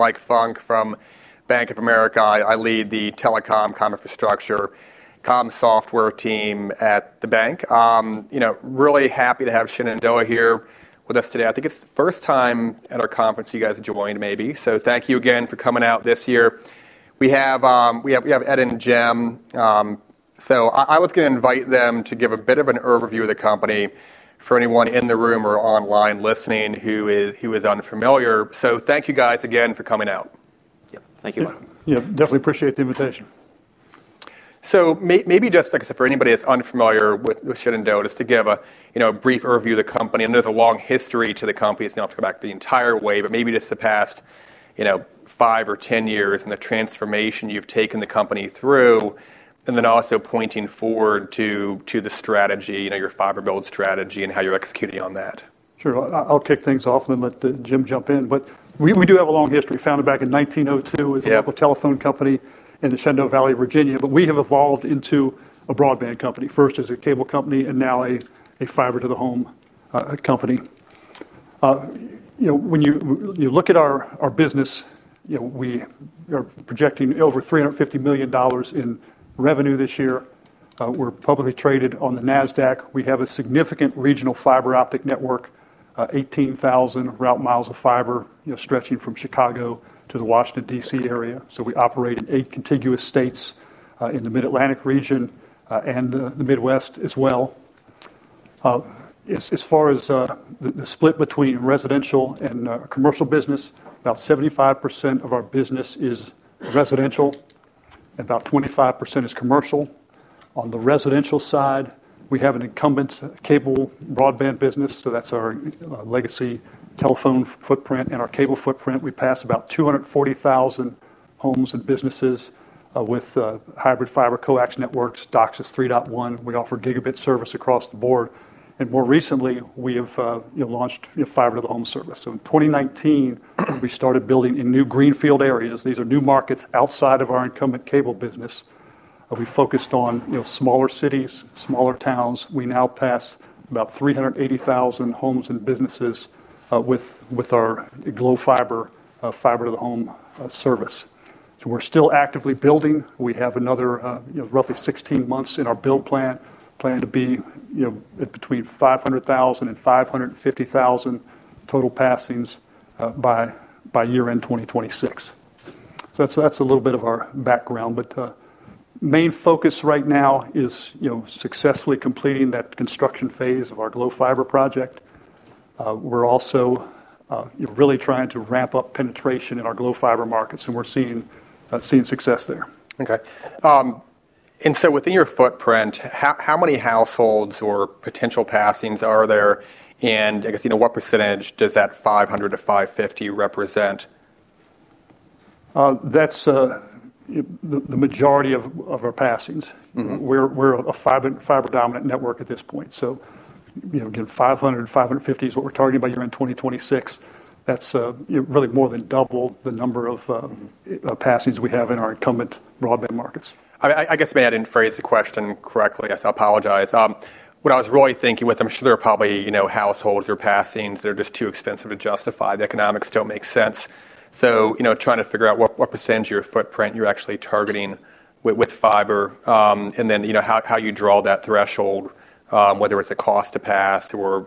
Mike Funk from Bank of America. I lead the telecom infrastructure and software team at the bank. Really happy to have Shenandoah here with us today. I think it's the first time at our conference you guys joined maybe. Thank you again for coming out this year. We have Ed and Jim. I was going to invite them to give a bit of an overview of the company for anyone in the room or online listening who is unfamiliar. Thank you guys again for coming out. Yeah, thank you. Yeah, definitely appreciate the invitation. Maybe just for anybody that's unfamiliar with Shenandoah just to give a brief overview of the company. There's a long history to the company. Not to go back the entire way, but maybe just the past five or ten years and the transformation you've taken the company through, also pointing forward to the strategy, your fiber build strategy and how you're executing on that. Sure. I'll kick things off and then let Jim jump in. We do have a long history. We were founded back in 1902 as a telephone company in the Shenandoah Valley, Virginia. We have evolved into a broadband company, first as a cable company and now a fiber-to-the-home company. When you look at our business, we are projecting over $350 million in revenue this year. We're publicly traded on the NASDAQ. We have a significant regional fiber optic network, 18,000 route-miles of fiber stretching from Chicago to the Washington, D.C. area. We operate in eight contiguous states in the Mid-Atlantic region and the Midwest as well. As far as the split between residential and commercial business, about 75% of our business is residential and about 25% is commercial. On the residential side, we have an incumbent cable broadband business. That's our legacy telephone footprint and our cable footprint. We pass about 240,000 homes and businesses with hybrid fiber coax networks, DOCSIS 3.1. We offer gigabit service across the board. More recently, we have launched fiber-to-the-home service. In 2019, we started building in new greenfield areas. These are new markets outside of our incumbent cable business. We focused on smaller cities, smaller towns. We now pass about 380,000 homes and businesses with our Glo Fiber fiber-to-the-home service. We're still actively building. We have another roughly 16 months in our build plan, planning to be between 500,000 and 550,000 total passings by year-end 2026. That's a little bit of our background. The main focus right now is successfully completing that construction phase of our Glo Fiber project. We're also really trying to ramp up penetration in our Glo Fiber markets, and we're seeing success there. Okay. Within your footprint, how many households or potential passings are there? What percentage does that 500,000 - 550,000 represent? That's the majority of our passings. We're a fiber dominant network at this point. 500,000 and 550,000 is what we're targeting by year end 2026. That's really more than double the number of passings we have in our incumbent broadband markets. I guess maybe I didn't phrase the question correctly. I apologize. What I was really thinking with, I'm sure there are probably, you know, households or passings that are just too expensive to justify. The economics don't make sense. Trying to figure out what % of your footprint you're actually targeting with fiber, and then how you draw that threshold, whether it's a cost to pass or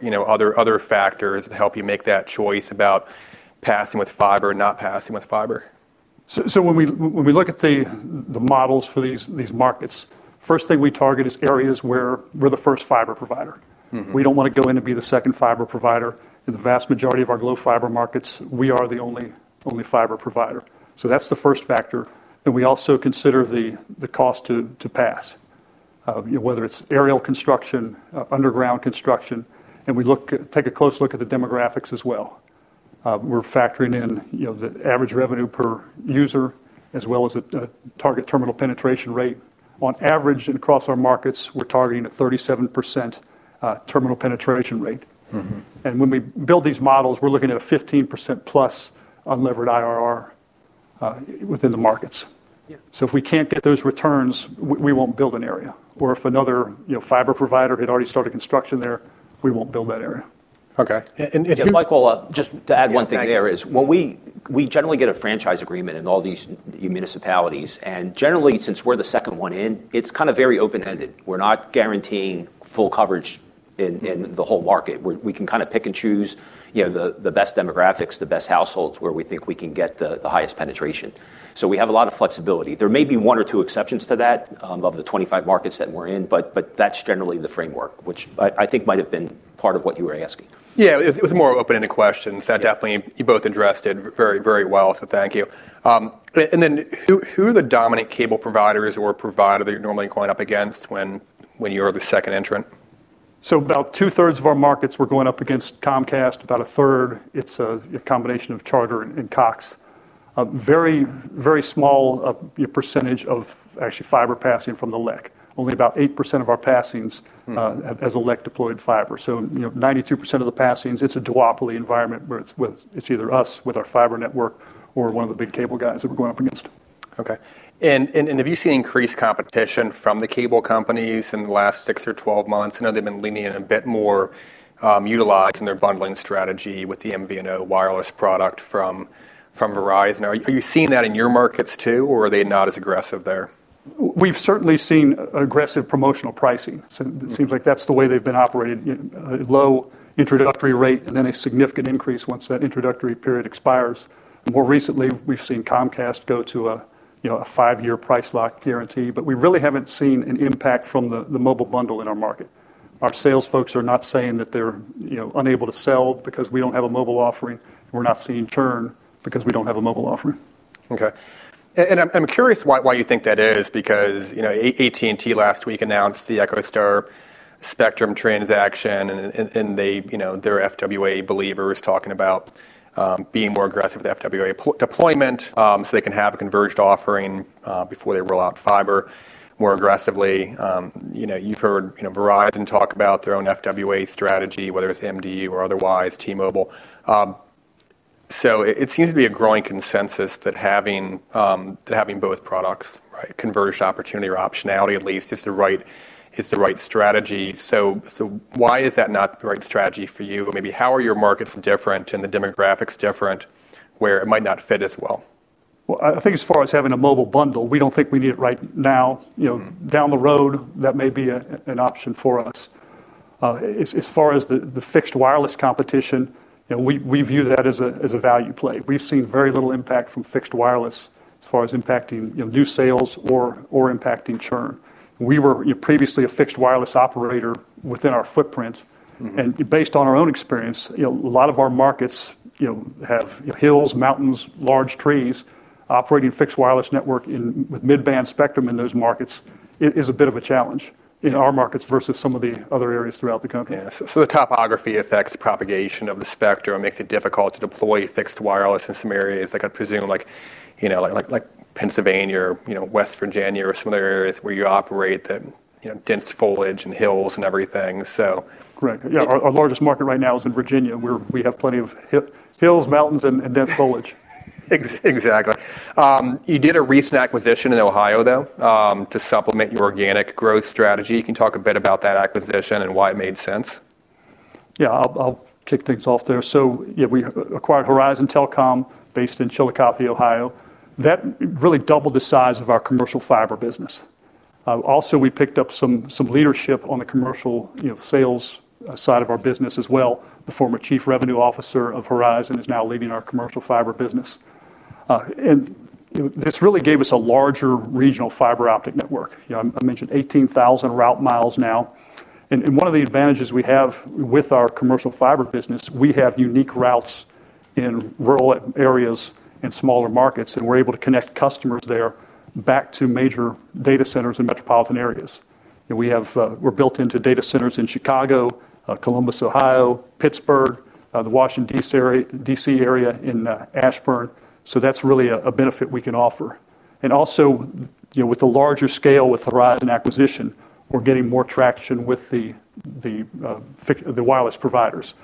other factors that help you make that choice about passing with fiber or not passing with fiber. When we look at the models for these markets, the first thing we target is areas where we're the first fiber provider. We don't want to go in and be the second fiber provider. In the vast majority of our Glo Fiber markets, we are the only fiber provider. That's the first factor. We also consider the cost to pass, whether it's aerial construction or underground construction. We take a close look at the demographics as well. We're factoring in the average revenue per user as well as a target terminal penetration rate. On average, across our markets, we're targeting a 37% terminal penetration rate. When we build these models, we're looking at a 15%+ unlevered IRR within the markets. If we can't get those returns, we won't build an area. If another fiber provider had already started construction there, we won't build that area. Okay. Mike, just to add one thing there is when we generally get a franchise agreement in all these municipalities, and generally, since we're the second one in, it's kind of very open-ended. We're not guaranteeing full coverage in the whole market. We can kind of pick and choose, you know, the best demographics, the best households where we think we can get the highest penetration. We have a lot of flexibility. There may be one or two exceptions to that of the 25 markets that we're in, but that's generally the framework, which I think might have been part of what you were asking. It was a more open-ended question. You both addressed it very, very well. Thank you. Who are the dominant cable providers or provider that you're normally going up against when you're the second entrant? About two-thirds of our markets we're going up against Comcast, about a third it's a combination of Charter and Cox. A very, very small percentage of actually fiber passing from the LEC. Only about 8% of our passings have a LEC deployed fiber. You know, 92% of the passings, it's a duopoly environment where it's either us with our fiber network or one of the big cable guys that we're going up against. Okay. Have you seen increased competition from the cable companies in the last six or 12 months? I know they've been leaning a bit more utilizing their bundling strategy with the MVNO wireless product from Verizon. Are you seeing that in your markets too, or are they not as aggressive there? We've certainly seen aggressive promotional pricing. It seems like that's the way they've been operating, a low introductory rate and then a significant increase once that introductory period expires. More recently, we've seen Comcast go to a five-year price lock guarantee, but we really haven't seen an impact from the mobile bundle in our market. Our sales folks are not saying that they're unable to sell because we don't have a mobile offering. We're not seeing churn because we don't have a mobile offering. Okay. I'm curious why you think that is because, you know, AT&T last week announced the EchoStar Spectrum transaction and they, you know, their FWA believer is talking about being more aggressive with FWA deployment so they can have a converged offering before they roll out fiber more aggressively. You've heard Verizon talk about their own FWA strategy, whether it's MD or otherwise, T-Mobile. It seems to be a growing consensus that having both products, right, converged opportunity or optionality at least is the right strategy. Why is that not the right strategy for you? Maybe how are your markets different and the demographics different where it might not fit as well? As far as having a mobile bundle, we don't think we need it right now. Down the road, that may be an option for us. As far as the fixed wireless competition, we view that as a value play. We've seen very little impact from fixed wireless as far as impacting new sales or impacting churn. We were previously a fixed wireless operator within our footprint. Based on our own experience, a lot of our markets have hills, mountains, large trees. Operating a fixed wireless network with mid-band spectrum in those markets is a bit of a challenge in our markets versus some of the other areas throughout the country. Yeah. The topography affects the propagation of the spectrum and makes it difficult to deploy fixed wireless in some areas, like I presume, like Pennsylvania or West Virginia or some other areas where you operate that have dense foliage and hills and everything. Right. Yeah. Our largest market right now is in Virginia, where we have plenty of hills, mountains, and dense foliage. Exactly. You did a recent acquisition in Ohio though to supplement your organic growth strategy. You can talk a bit about that acquisition and why it made sense. Yeah, I'll kick things off there. We acquired Horizon Telecom based in Chillicothe, Ohio. That really doubled the size of our commercial fiber business. Also, we picked up some leadership on the commercial sales side of our business as well. The former Chief Revenue Officer of Horizon is now leading our commercial fiber business. This really gave us a larger regional fiber optic network. I mentioned 18,000 route miles now. One of the advantages we have with our commercial fiber business is we have unique routes in rural areas and smaller markets, and we're able to connect customers there back to major data centers in metropolitan areas. We have built into data centers in Chicago, Columbus, Ohio, Pittsburgh, the Washington, D.C. area, and Ashburn. That's really a benefit we can offer. Also, with the larger scale with the Horizon acquisition, we're getting more traction with the wireless providers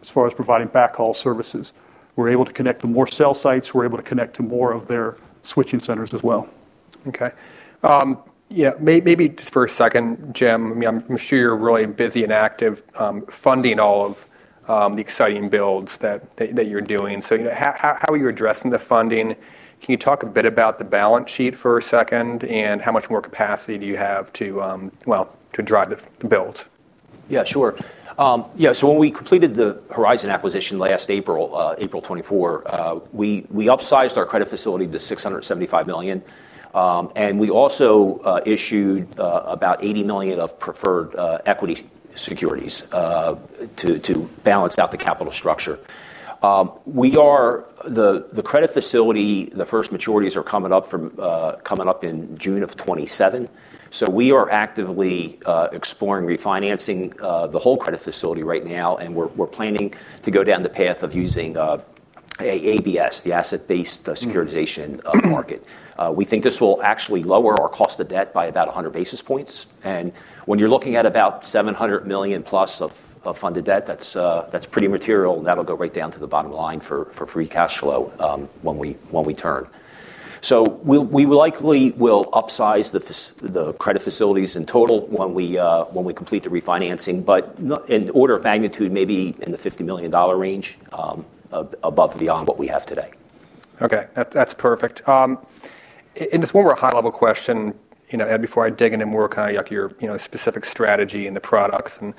as far as providing backhaul services. We're able to connect to more cell sites. We're able to connect to more of their switching centers as well. Okay. Maybe just for a second, Jim, I mean, I'm sure you're really busy and active funding all of the exciting builds that you're doing. How are you addressing the funding? Can you talk a bit about the balance sheet for a second and how much more capacity do you have to drive the build? Yeah, sure. When we completed the Horizon acquisition last April, April 2024, we upsized our credit facility to $675 million. We also issued about $80 million of preferred equity securities to balance out the capital structure. The credit facility, the first maturities are coming up in June 2027. We are actively exploring refinancing the whole credit facility right now. We're planning to go down the path of using ABS, the asset-backed securitization market. We think this will actually lower our cost of debt by about 100 basis points. When you're looking at about $700 million plus of funded debt, that's pretty material. That'll go right down to the bottom line for free cash flow when we turn. We likely will upsize the credit facilities in total when we complete the refinancing, but in order of magnitude, maybe in the $50 million range above and beyond what we have today. Okay, that's perfect. One more high-level question, you know, Ed, before I dig in and more kind of yuckier, you know, specific strategy in the products and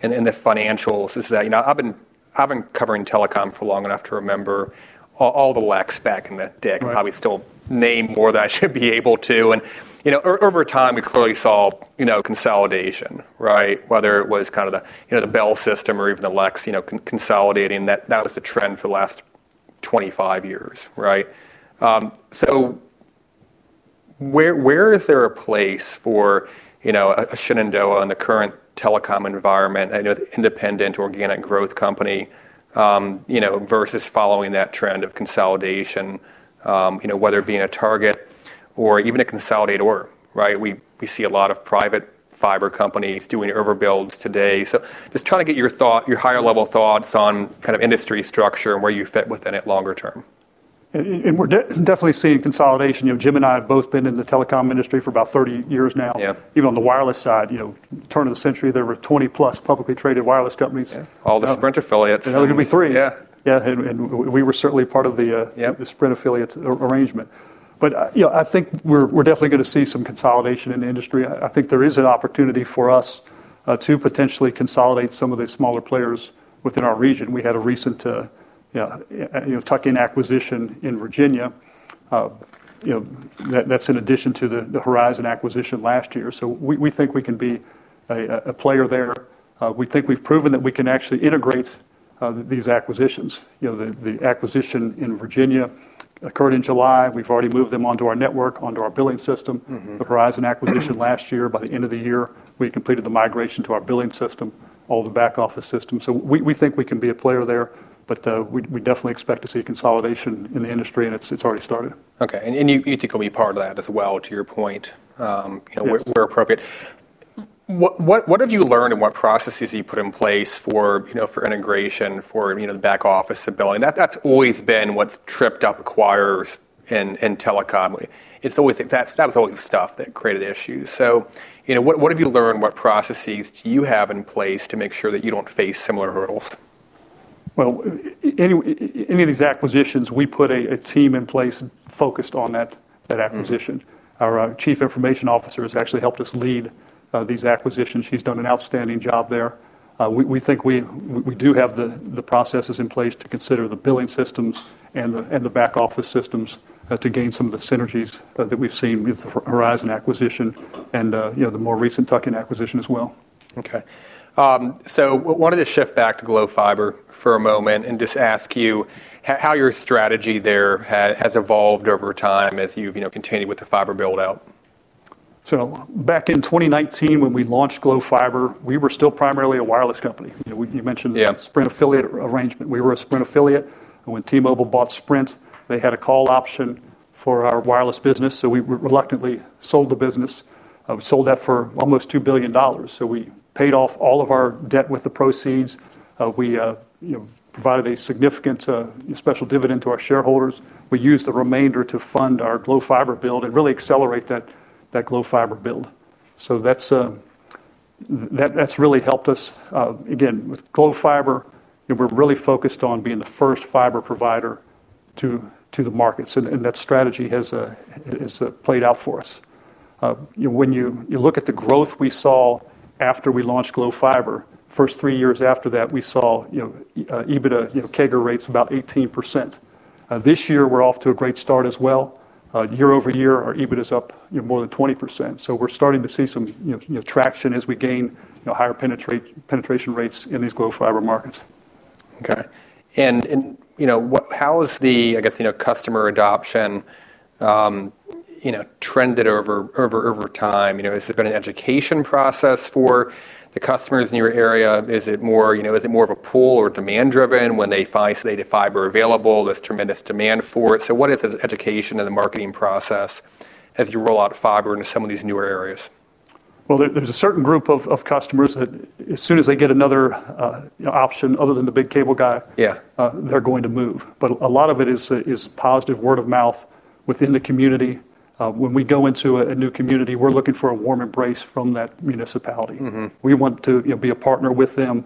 in the financials is that, you know, I've been covering telecom for long enough to remember all the LECs back in the day, probably still name more than I should be able to. Over time, we clearly saw, you know, consolidation, right? Whether it was kind of the, you know, the Bell system or even the LECs, you know, consolidating, that was the trend for the last 25 years, right? Where is there a place for, you know, a Shenandoah in the current telecom environment, an independent organic growth company, you know, versus following that trend of consolidation, you know, whether it being a target or even a consolidator, right? We see a lot of private fiber companies doing overbuilds today. Just trying to get your higher-level thoughts on kind of industry structure and where you fit within it longer term. We're definitely seeing consolidation. Jim and I have both been in the telecom industry for about 30 years now. Even on the wireless side, turn of the century, there were 20+ publicly traded wireless companies. All the Sprint affiliates. There could be three. Yeah. We were certainly part of the Sprint affiliates arrangement. I think we're definitely going to see some consolidation in the industry. I think there is an opportunity for us to potentially consolidate some of the smaller players within our region. We had a recent Tuck Inn acquisition in Virginia, in addition to the Horizon acquisition last year. We think we can be a player there. We think we've proven that we can actually integrate these acquisitions. The acquisition in Virginia occurred in July. We've already moved them onto our network, onto our billing system. The Horizon acquisition last year, by the end of the year, we completed the migration to our billing system and all the back office systems. We think we can be a player there, and we definitely expect to see consolidation in the industry. It's already started. Okay. You think we'll be part of that as well, to your point, you know, where appropriate. What have you learned and what processes have you put in place for integration, for the back office of billing? That's always been what's tripped up acquirers in telecom. That's always the stuff that created issues. What have you learned? What processes do you have in place to make sure that you don't face similar hurdles? For any of these acquisitions, we put a team in place focused on that acquisition. Our Chief Information Officer has actually helped us lead these acquisitions. She's done an outstanding job there. We think we do have the processes in place to consider the billing systems and the back office systems to gain some of the synergies that we've seen with the Horizon acquisition and the more recent Tuck Inn acquisition as well. Okay. I wanted to shift back to Glo Fiber for a moment and just ask you how your strategy there has evolved over time as you've continued with the fiber build out. Back in 2019, when we launched Glo Fiber, we were still primarily a wireless company. You mentioned the Sprint affiliate arrangement. We were a Sprint affiliate. When T-Mobile bought Sprint, they had a call option for our wireless business. We reluctantly sold the business. We sold that for almost $2 billion. We paid off all of our debt with the proceeds. We provided a significant special dividend to our shareholders. We used the remainder to fund our Glo Fiber build and really accelerate that Glo Fiber build. That's really helped us. With Glo Fiber, we're really focused on being the first fiber provider to the markets. That strategy has played out for us. When you look at the growth we saw after we launched Glo Fiber, the first three years after that, we saw EBITDA CAGR rates about 18%. This year, we're off to a great start as well. Year over year, our EBITDA is up more than 20%. We're starting to see some traction as we gain higher penetration rates in these Glo Fiber markets. Okay. How has the, I guess, customer adoption trended over time? Has it been an education process for the customers in your area? Is it more, you know, is it more of a pull or demand-driven when they find, say, the fiber available? There's tremendous demand for it. What is the education and the marketing process as you roll out fiber into some of these newer areas? There is a certain group of customers that as soon as they get another option other than the big cable guy, they are going to move. A lot of it is positive word of mouth within the community. When we go into a new community, we are looking for a warm embrace from that municipality. We want to be a partner with them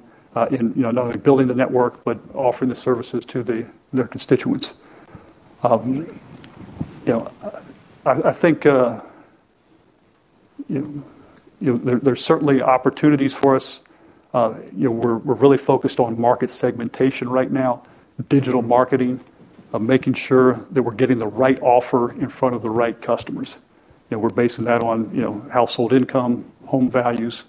in not only building the network, but offering the services to their constituents. I think there are certainly opportunities for us. We are really focused on market segmentation right now, digital marketing, making sure that we are getting the right offer in front of the right customers. We are basing that on household income, home values.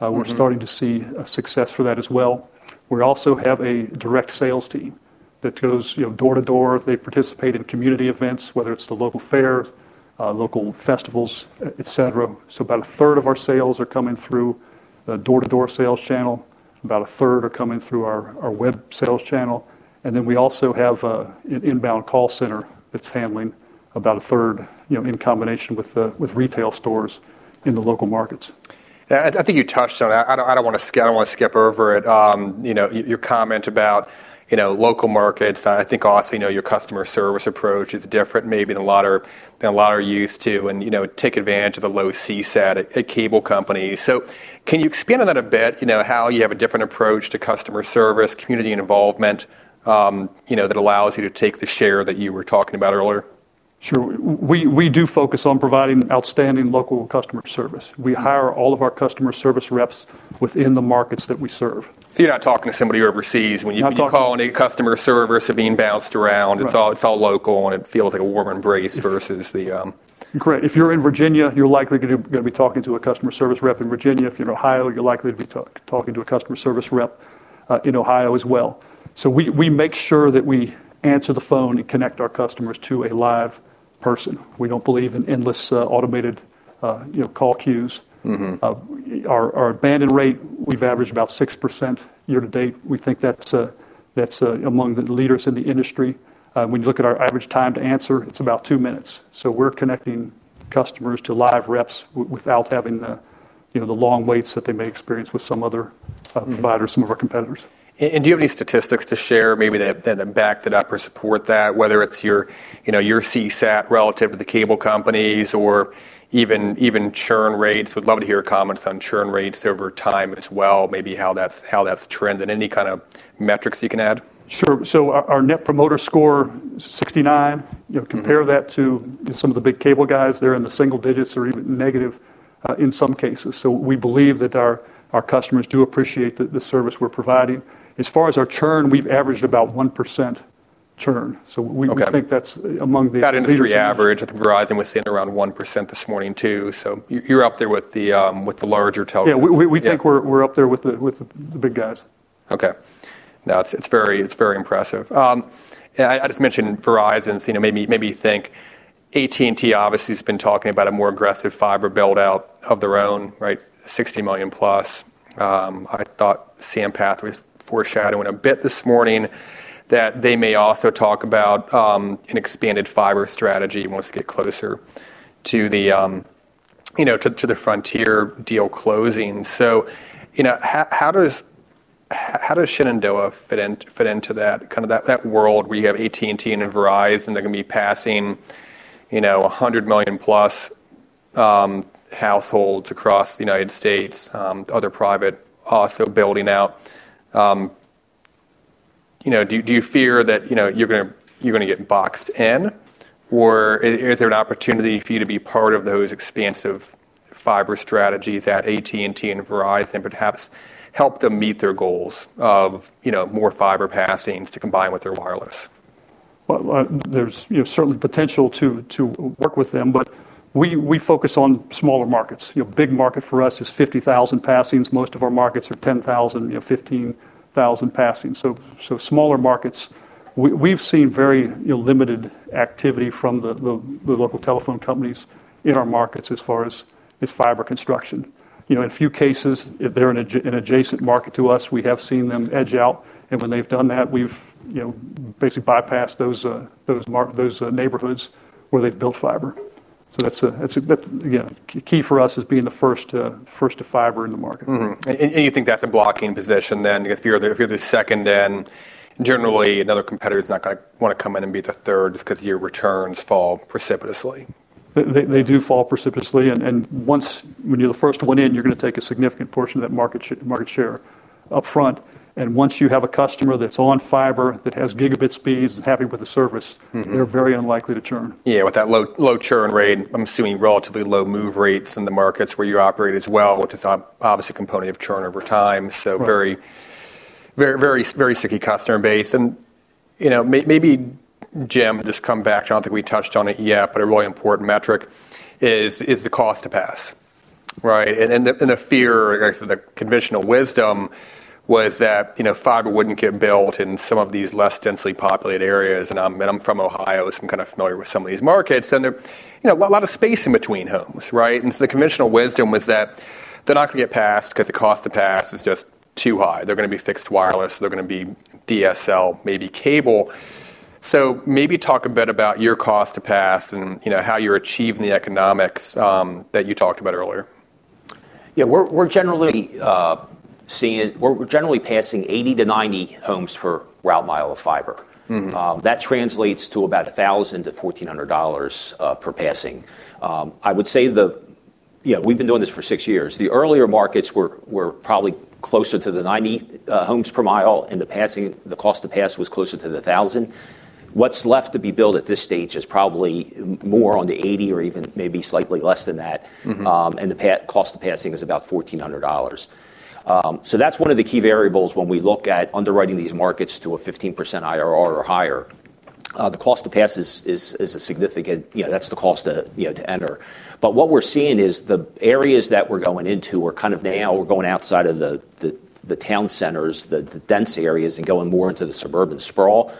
We are starting to see success for that as well. We also have a direct sales team that goes door to door. They participate in community events, whether it is the local fairs, local festivals, etc. About a third of our sales are coming through the door-to-door sales channel. About a third are coming through our web sales channel. We also have an inbound call center that is handling about a third in combination with retail stores in the local markets. I think you touched on it. I don't want to skip over it. Your comment about local markets, I think, your customer service approach is different maybe than a lot are used to, and you take advantage of the low CSAT at cable companies. Can you expand on that a bit? How you have a different approach to customer service, community involvement, that allows you to take the share that you were talking about earlier? Sure. We do focus on providing outstanding local customer service. We hire all of our customer service reps within the markets that we serve. You are not talking to somebody overseas when you call any customer service and being bounced around. It's all local, and it feels like a warm embrace versus the. Correct. If you're in Virginia, you're likely going to be talking to a customer service rep in Virginia. If you're in Ohio, you're likely to be talking to a customer service rep in Ohio as well. We make sure that we answer the phone and connect our customers to a live person. We don't believe in endless automated call queues. Our abandoned rate, we've averaged about 6% year- to- date. We think that's among the leaders in the industry. When you look at our average time to answer, it's about two minutes. We're connecting customers to live reps without having the long waits that they may experience with some other providers, some of our competitors. Do you have any statistics to share that back that up or support that, whether it's your CSAT relative to the cable companies or even churn rates? We'd love to hear comments on churn rates over time as well, maybe how that's trended. Any kind of metrics you can add? Sure. Our net promoter score is 69. You know, compare that to some of the big cable guys, they're in the single digits or even negative in some cases. We believe that our customers do appreciate the service we're providing. As far as our churn, we've averaged about 1% churn. We think that's among the. That is the average. I think Verizon was saying around 1% this morning too. You're up there with the larger telco. Yeah, we think we're up there with the big guys. Okay. No, it's very impressive. I just mentioned Verizon, you know, made me think AT&T obviously has been talking about a more aggressive fiber build out of their own, right? $60 million +. I thought Sandpath was foreshadowing a bit this morning that they may also talk about an expanded fiber strategy once they get closer to the, you know, to the Frontier deal closing. How does Shenandoah fit into that kind of world where you have AT&T and Verizon that are going to be passing, you know, $100 million + households across the United States, other private also building out? Do you fear that, you know, you're going to get boxed in or is there an opportunity for you to be part of those expansive fiber strategies at AT&T and Verizon and perhaps help them meet their goals of, you know, more fiber passings to combine with their wireless? There is certainly potential to work with them, but we focus on smaller markets. A big market for us is 50,000 passings. Most of our markets are 10,000, 15,000 passings. Smaller markets, we've seen very limited activity from the local telephone companies in our markets as far as fiber construction. In a few cases, if they're in an adjacent market to us, we have seen them edge out. When they've done that, we've basically bypassed those neighborhoods where they've built fiber. That is, again, key for us as being the first to fiber in the market. You think that's a blocking position then if you're the second in, generally another competitor is not going to want to come in and be the third just because your returns fall precipitously. They do fall precipitously. Once you're the first one in, you're going to take a significant portion of that market share up front. Once you have a customer that's on fiber that has gigabit speeds, is happy with the service, they're very unlikely to churn. Yeah, with that low churn rate, I'm assuming relatively low move rates in the markets where you operate as well, which is obviously a component of churn over time. Very, very, very sticky cost churn base. Maybe, Jim, just come back to, I don't think we touched on it yet, but a really important metric is the cost to pass. The fear, like I said, the conventional wisdom was that fiber wouldn't get built in some of these less densely populated areas. I'm from Ohio, so I'm kind of familiar with some of these markets. There's a lot of space in between homes. The conventional wisdom was that they're not going to get passed because the cost to pass is just too high. They're going to be fixed wireless, they're going to be DSL, maybe cable. Maybe talk a bit about your cost to pass and how you're achieving the economics that you talked about earlier. Yeah, we're generally seeing it. We're generally passing 80- 90 homes per route-mile of fiber. That translates to about $1,000 - $1,400 per passing. I would say we've been doing this for six years. The earlier markets were probably closer to the 90 homes per mile, and the cost to pass was closer to the $1,000. What's left to be built at this stage is probably more on the 80 or even maybe slightly less than that, and the cost of passing is about $1,400. That's one of the key variables when we look at underwriting these markets to a 15% IRR or higher. The cost to pass is significant, that's the cost to enter. What we're seeing is the areas that we're going into are kind of now we're going outside of the town centers, the dense areas, and going more into the suburban sprawl.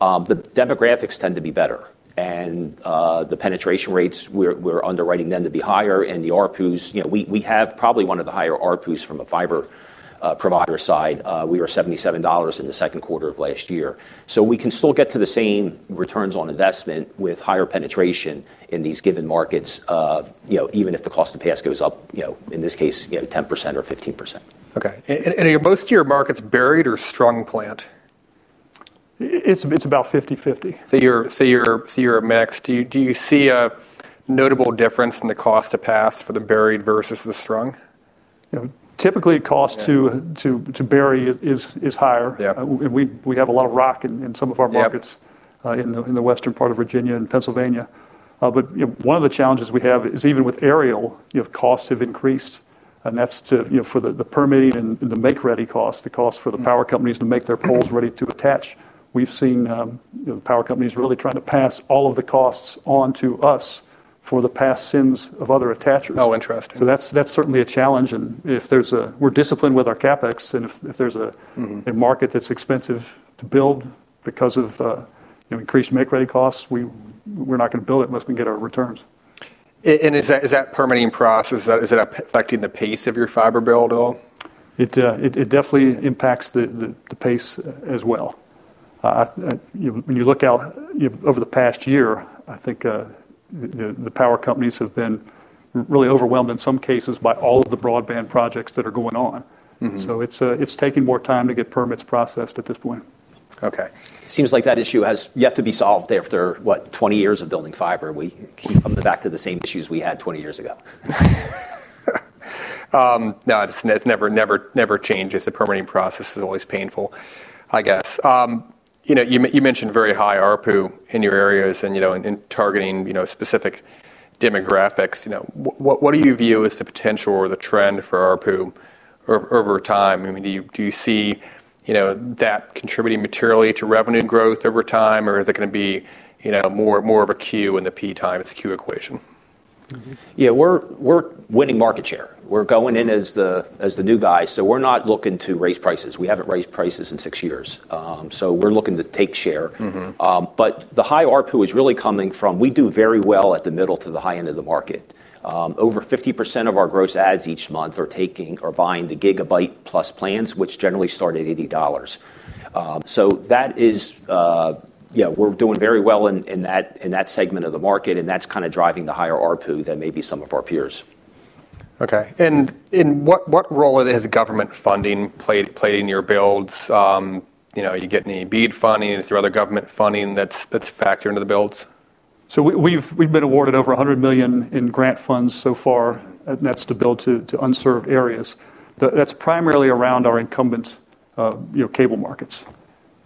The demographics tend to be better, and the penetration rates we're underwriting tend to be higher. The ARPUs, we have probably one of the higher ARPUs from a fiber provider side. We were $77 in the second quarter of last year. We can still get to the same returns on investment with higher penetration in these given markets, even if the cost of pass goes up, in this case, 10% or 15%. Okay. Are most of your markets buried or strung plant? It's about 50/50. Do you see a notable difference in the cost to pass for the buried versus the strung? Typically, the cost to bury is higher. We have a lot of rock in some of our markets in the western part of Virginia and Pennsylvania. One of the challenges we have is even with aerial, costs have increased. That's for the permitting and the make-ready costs, the cost for the power companies to make their poles ready to attach. We've seen the power companies really trying to pass all of the costs on to us for the passings of other attachers. Oh, interesting. That is certainly a challenge. If we're disciplined with our CapEx, and if there's a market that's expensive to build because of increased make-ready costs, we're not going to build it unless we can get our returns. Is that permitting process, is that affecting the pace of your fiber build at all? It definitely impacts the pace as well. When you look out over the past year, I think the power companies have been really overwhelmed in some cases by all of the broadband projects that are going on. It's taking more time to get permits processed at this point. Okay. Seems like that issue has yet to be solved after, what, 20 years of building fiber. We keep coming back to the same issues we had 20 years ago. No, it never, never, never changes. The permitting process is always painful, I guess. You mentioned very high ARPU in your areas and in targeting specific demographics. What do you view as the potential or the trend for ARPU over time? Do you see that contributing materially to revenue growth over time, or is it going to be more of a Q in the P time? It's a Q equation. Yeah, we're winning market share. We're going in as the new guys. We're not looking to raise prices. We haven't raised prices in six years. We're looking to take share. The high ARPU is really coming from, we do very well at the middle to the high end of the market. Over 50% of our gross ads each month are taking or buying the gigabit plus plans, which generally start at $80. That is, yeah, we're doing very well in that segment of the market. That's kind of driving the higher ARPU than maybe some of our peers. Okay. What role has government funding played in your builds? Are you getting any BEAD funding through other government funding that's factored into the builds? We have been awarded over $100 million in grant funds so far, and that's to build to unserved areas. That's primarily around our incumbent cable markets,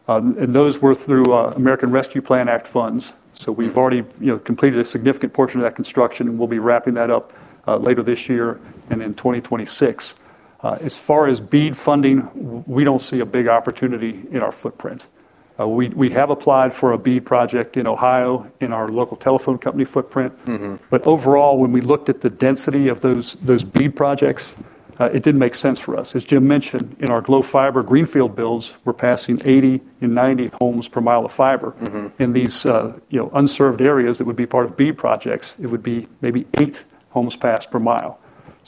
and those were through American Rescue Plan Act funds. We have already completed a significant portion of that construction, and we'll be wrapping that up later this year and in 2026. As far as BEAD funding, we don't see a big opportunity in our footprint. We have applied for a BEAD project in Ohio in our local telephone company footprint. Overall, when we looked at the density of those BEAD projects, it didn't make sense for us. As Jim mentioned, in our Glo Fiber greenfield builds, we're passing 80 and 90 homes per mile of fiber. In these unserved areas that would be part of BEAD projects, it would be maybe eight homes passed per mile.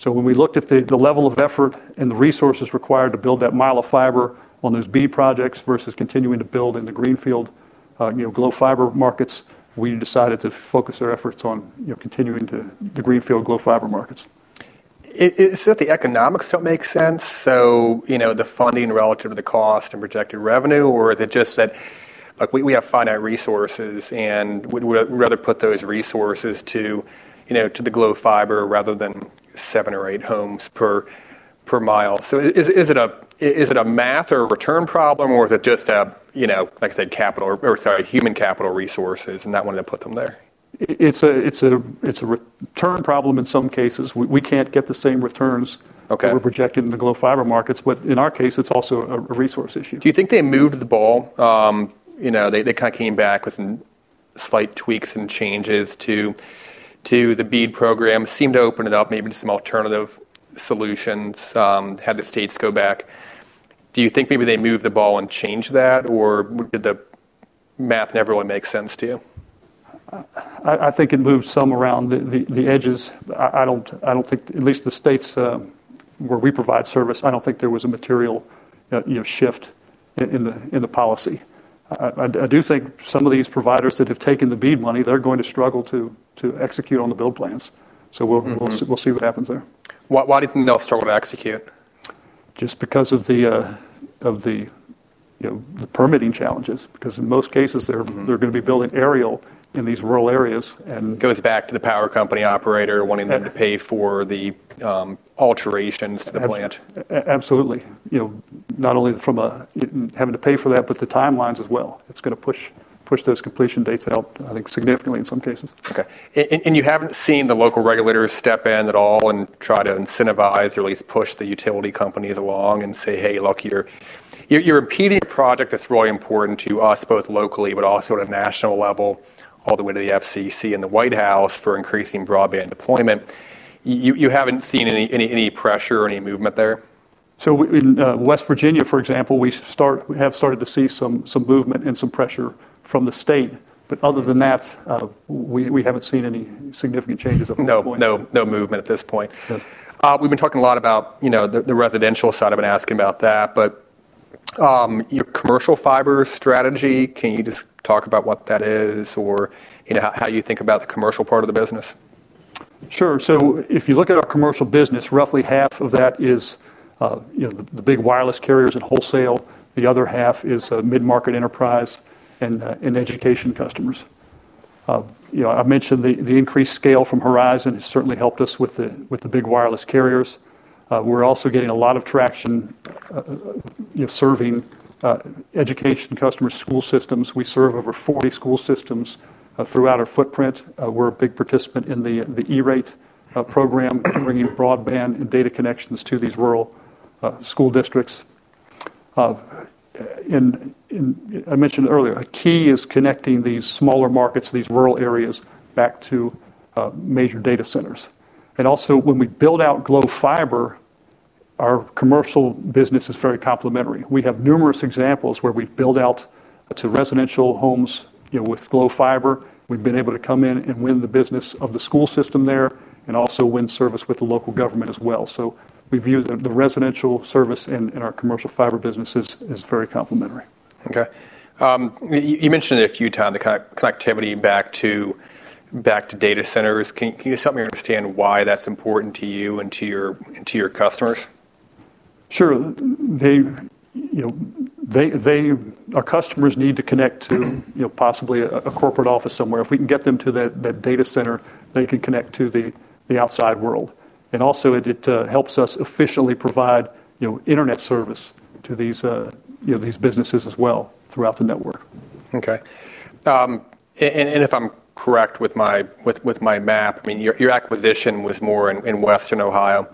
When we looked at the level of effort and the resources required to build that mile of fiber on those BEAD projects versus continuing to build in the greenfield Glo Fiber markets, we decided to focus our efforts on continuing to the greenfield Glo Fiber markets. Is that the economics don't make sense? You know, the funding relative to the cost and projected revenue, or is it just that we have finite resources and we'd rather put those resources to the Glo Fiber rather than seven or eight homes per mile? Is it a math or a return problem, or is it just, like I said, human capital resources, and not wanting to put them there? It's a return problem in some cases. We can't get the same returns that we're projecting in the Glo Fiber markets, but in our case, it's also a resource issue. Do you think they moved the ball? They kind of came back with slight tweaks and changes to the BEAD program, seemed to open it up maybe to some alternative solutions, had the states go back. Do you think maybe they moved the ball and changed that, or did the math never really make sense to you? I think it moved some around the edges. I don't think, at least the states where we provide service, I don't think there was a material shift in the policy. I do think some of these providers that have taken the BEAD money, they're going to struggle to execute on the build plans. We'll see what happens there. Why do you think they'll struggle to execute? Just because of the permitting challenges, because in most cases, they're going to be building aerial in these rural areas. This goes back to the power company operator wanting them to pay for the alterations to the plant. Absolutely. You know, not only from having to pay for that, but the timelines as well. It's going to push those completion dates out, I think, significantly in some cases. Okay. You haven't seen the local regulators step in at all and try to incentivize or at least push the utility companies along and say, "Hey, look, you're impeding a project that's really important to us both locally, but also at a national level, all the way to the FCC and the White House for increasing broadband deployment." You haven't seen any pressure or any movement there? In West Virginia, for example, we have started to see some movement and some pressure from the state. Other than that, we haven't seen any significant changes at this point. No, no movement at this point. We've been talking a lot about the residential side. I've been asking about that, but your commercial fiber strategy, can you just talk about what that is or how you think about the commercial part of the business? Sure. If you look at our commercial business, roughly half of that is the big wireless carriers and wholesale. The other half is mid-market enterprise and education customers. I mentioned the increased scale from Horizon has certainly helped us with the big wireless carriers. We're also getting a lot of traction serving education customers, school systems. We serve over 40 school systems throughout our footprint. We're a big participant in the e-rate program, bringing broadband and data connections to these rural school districts. I mentioned earlier, a key is connecting these smaller markets, these rural areas back to major data centers. Also, when we build out Glo Fiber, our commercial business is very complementary. We have numerous examples where we've built out to residential homes with Glo Fiber. We've been able to come in and win the business of the school system there and also win service with the local government as well. We view the residential service and our commercial fiber businesses as very complementary. Okay. You mentioned it a few times, the connectivity back to data centers. Can you just help me understand why that's important to you and to your customers? Sure. Our customers need to connect to, you know, possibly a corporate office somewhere. If we can get them to that data center, they can connect to the outside world. It also helps us efficiently provide internet service to these businesses as well throughout the network. Okay. If I'm correct with my map, your acquisition was more in Western Ohio,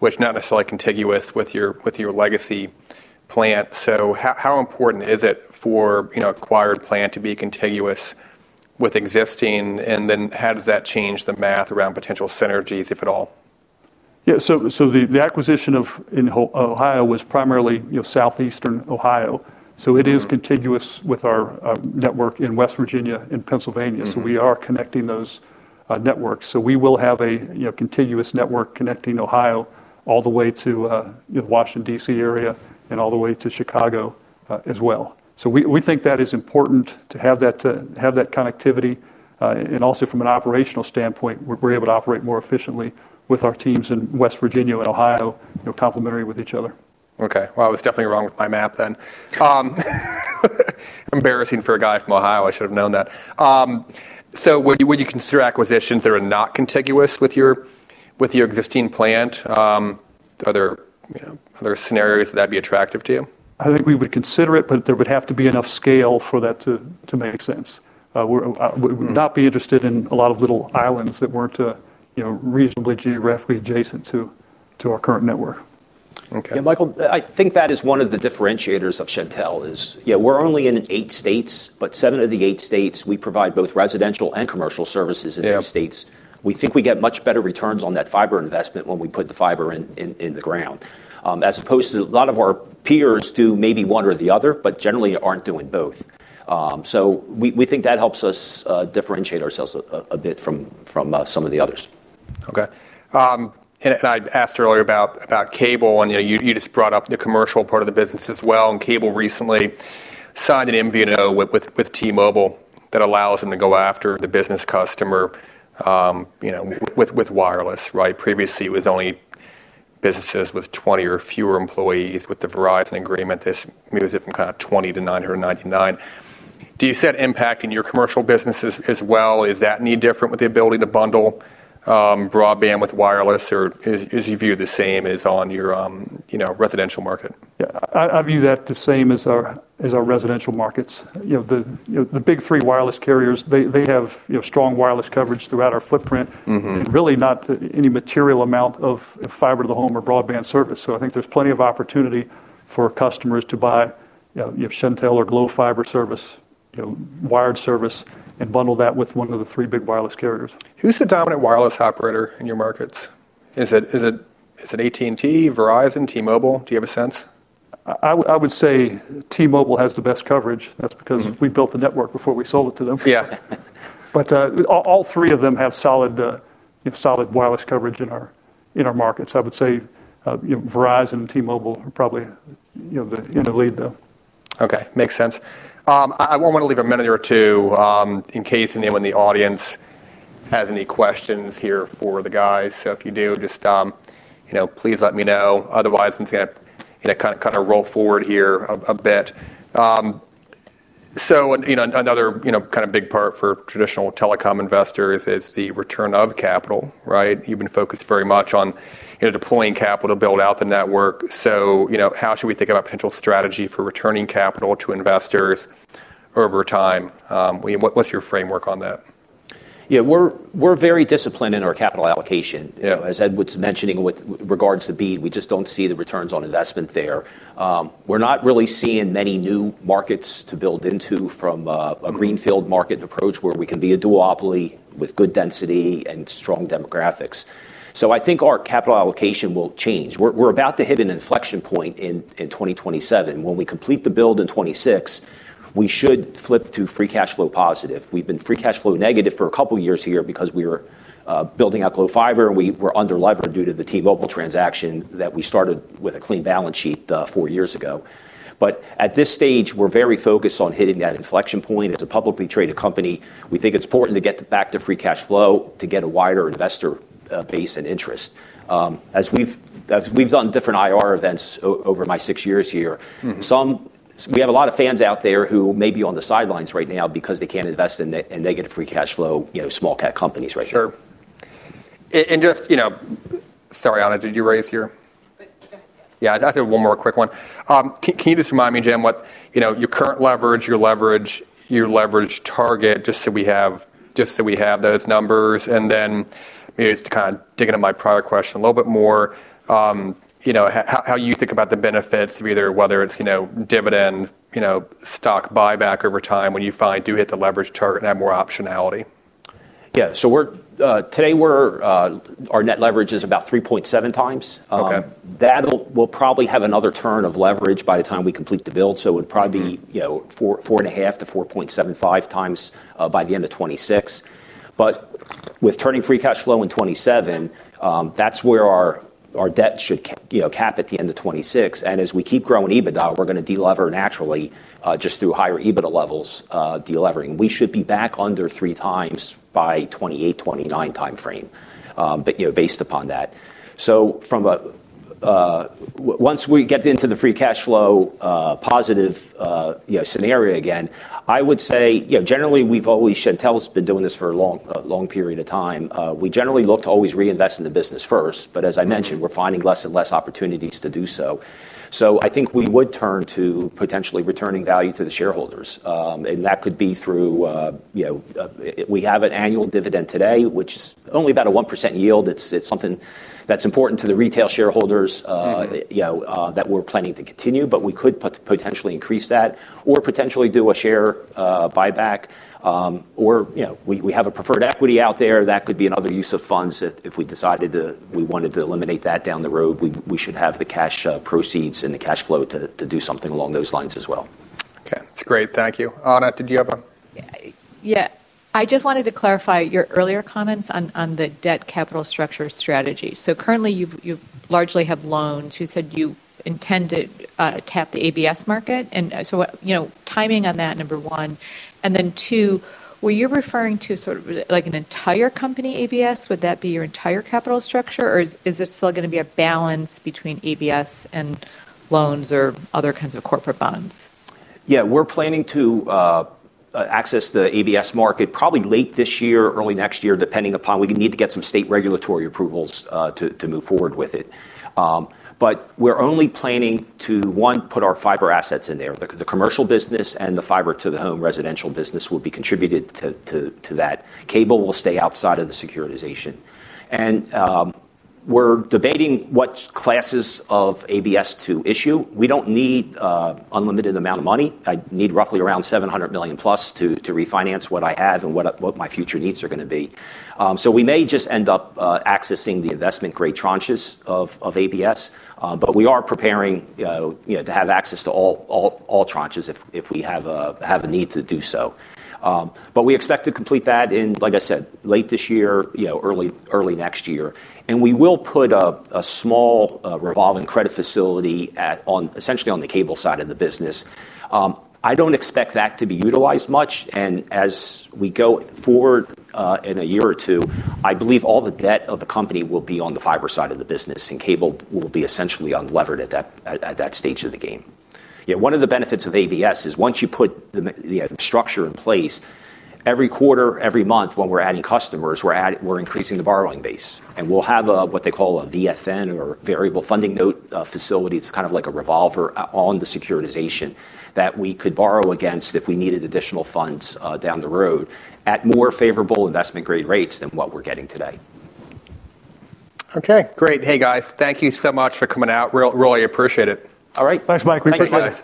which is not necessarily contiguous with your legacy plant. How important is it for an acquired plant to be contiguous with existing? How does that change the math around potential synergies, if at all? The acquisition in Ohio was primarily, you know, Southeastern Ohio. It is contiguous with our network in West Virginia and Pennsylvania. We are connecting those networks, so we will have a continuous network connecting Ohio all the way to the Washington, D.C. area and all the way to Chicago as well. We think that is important to have that connectivity. Also, from an operational standpoint, we're able to operate more efficiently with our teams in West Virginia and Ohio, you know, complementary with each other. I was definitely wrong with my map then. Embarrassing for a guy from Ohio. I should have known that. Would you consider acquisitions that are not contiguous with your existing plant? Are there other scenarios that would be attractive to you? I think we would consider it, but there would have to be enough scale for that to make sense. We would not be interested in a lot of little islands that weren't, you know, reasonably geographically adjacent to our current network. Okay. Yeah, Michael, I think that is one of the differentiators of Shentel is, you know, we're only in eight states, but seven of the eight states, we provide both residential and commercial services in those states. We think we get much better returns on that fiber investment when we put the fiber in the ground, as opposed to a lot of our peers doing maybe one or the other, but generally aren't doing both. We think that helps us differentiate ourselves a bit from some of the others. Okay. I asked earlier about cable, and you just brought up the commercial part of the business as well. Cable recently signed an MVNO with T-Mobile that allows them to go after the business customer with wireless, right? Previously, it was only businesses with 20 or fewer employees. With the Verizon agreement, this moves it from 20 employees - 999 employees. Do you see that impacting your commercial businesses as well? Is that any different with the ability to bundle broadband with wireless, or is your view the same as on your residential market? I view that the same as our residential markets. The big three wireless carriers have strong wireless coverage throughout our footprint and really not any material amount of fiber-to-the-home or broadband service. I think there's plenty of opportunity for customers to buy Shentel or Glo Fiber service, wired service, and bundle that with one of the three big wireless carriers. Who's the dominant wireless operator in your markets? Is it AT&T, Verizon, T-Mobile? Do you have a sense? I would say T-Mobile has the best coverage. That's because we built the network before we sold it to them. Yeah. All three of them have solid wireless coverage in our markets. I would say Verizon and T-Mobile are probably in the lead though. Okay. Makes sense. I want to leave a minute or two in case anyone in the audience has any questions here for the guys. If you do, just please let me know. Otherwise, I'm just going to kind of roll forward here a bit. Another kind of big part for traditional telecom investors is the return of capital, right? You've been focused very much on deploying capital to build out the network. How should we think about potential strategy for returning capital to investors over time? What's your framework on that? Yeah, we're very disciplined in our capital allocation. As Ed was mentioning with regards to BEAD, we just don't see the returns on investment there. We're not really seeing many new markets to build into from a greenfield market approach where we can be a duopoly with good density and strong demographics. I think our capital allocation will change. We're about to hit an inflection point in 2027. When we complete the build in 2026, we should flip to free cash flow positive. We've been free cash flow negative for a couple of years here because we were building out Glo Fiber and we were under levered due to the T-Mobile transaction that we started with a clean balance sheet four years ago. At this stage, we're very focused on hitting that inflection point as a publicly traded company. We think it's important to get back to free cash flow to get a wider investor base and interest. As we've done different IR events over my six years here, we have a lot of fans out there who may be on the sidelines right now because they can't invest in negative free cash flow, you know, small cap companies right now. Sure. Sorry, Ana, did you raise here? Yeah, I think one more quick one. Can you just remind me, Jim, what your current leverage, your leverage, your leverage target is, just so we have those numbers? It's to kind of dig into my private question a little bit more. How do you think about the benefits of either, whether it's dividend, stock buyback over time when you finally do hit the leverage target and have more optionality? Yeah, today our net leverage is about 3.7 x. Okay. We'll probably have another turn of leverage by the time we complete the build. It would probably be 4.5x- 4.75 x by the end of 2026. With turning free cash flow in 2027, that's where our debt should cap at the end of 2026. As we keep growing EBITDA, we're going to delever naturally just through higher EBITDA levels delevering. We should be back under 3x by the 2028, 2029 timeframe based upon that. Once we get into the free cash flow positive scenario again, I would say generally we've always, Shentel's been doing this for a long, long period of time. We generally look to always reinvest in the business first. As I mentioned, we're finding less and less opportunities to do so. I think we would turn to potentially returning value to the shareholders. That could be through, we have an annual dividend today, which is only about a 1% yield. It's something that's important to the retail shareholders that we're planning to continue, but we could potentially increase that or potentially do a share buyback. We have a preferred equity out there. That could be another use of funds. If we decided that we wanted to eliminate that down the road, we should have the cash proceeds and the cash flow to do something along those lines as well. Okay. Great. Thank you. Ana, did you have a? Yeah. I just wanted to clarify your earlier comments on the debt capital structure strategy. Currently, you largely have loans. You said you intended to tap the ABS market. Timing on that, number one. Number two, were you referring to sort of like an entire company ABS? Would that be your entire capital structure, or is it still going to be a balance between ABS and loans or other kinds of corporate bonds? Yeah, we're planning to access the ABS market probably late this year, early next year, depending upon we need to get some state regulatory approvals to move forward with it. We're only planning to, one, put our fiber assets in there. The commercial business and the fiber-to-the-home residential business will be contributed to that. Cable will stay outside of the securitization. We're debating what classes of ABS to issue. We don't need an unlimited amount of money. I need roughly around $700 million +s to refinance what I have and what my future needs are going to be. We may just end up accessing the investment grade tranches of ABS. We are preparing, you know, to have access to all tranches if we have a need to do so. We expect to complete that in, like I said, late this year, you know, early next year. We will put a small revolving credit facility on essentially on the cable side of the business. I don't expect that to be utilized much. As we go forward in a year or two, I believe all the debt of the company will be on the fiber side of the business, and cable will be essentially unlevered at that stage of the game. Yeah, one of the benefits of ABS is once you put the structure in place, every quarter, every month, when we're adding customers, we're increasing the borrowing base. We'll have what they call a VFN or variable funding note facility. It's kind of like a revolver on the securitization that we could borrow against if we needed additional funds down the road at more favorable investment grade rates than what we're getting today. Okay, great. Hey guys, thank you so much for coming out. Really appreciate it. All right. Thanks, Mike. Thanks, guys.